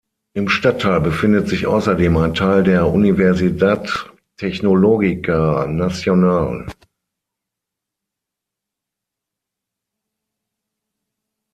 Im Stadtteil befindet sich außerdem ein Teil der Universidad Tecnológica Nacional.